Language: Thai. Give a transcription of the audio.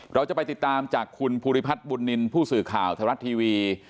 เราจะไปติดตามจากคุณภูริพัฒน์บุญนินทร์ผู้สื่อข่าวไทยรัฐทีวี